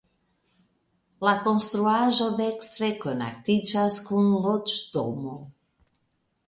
La konstruaĵo dekstre kontaktiĝas kun loĝdomo.